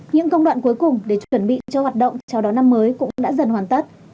những công đoạn cuối cùng để chuẩn bị cho hoạt động chào đón năm mới cũng đã dần hoàn tất